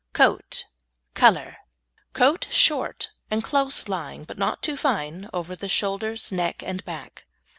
COAT COLOUR Coat short and close lying, but not too fine over the shoulders, neck and back.